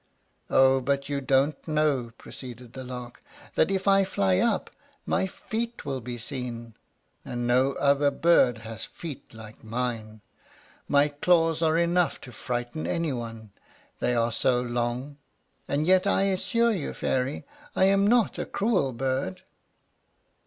"Oh, but you don't know," proceeded the Lark, "that if I fly up my feet will be seen; and no other bird has feet like mine. My claws are enough to frighten any one, they are so long; and yet I assure you, Fairy, I am not a cruel bird."